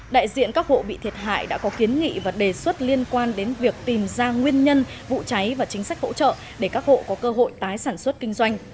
đại diện các hộ bị thiệt hại đã có kiến nghị và đề xuất liên quan đến việc tìm ra nguyên nhân vụ cháy và chính sách hỗ trợ để các hộ có cơ hội tái sản xuất kinh doanh